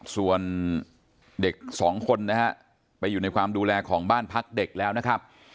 ส่วนเด็กสองคนนะฮะไปอยู่ในความดูแลของบ้านพักเด็กแล้วนะครับ